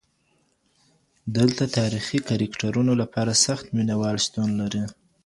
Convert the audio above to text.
دلته د تاریخي کرکټرونو لپاره سخت مینه وال شتون لري.